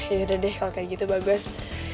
yaudah deh kalau kayak gitu bagus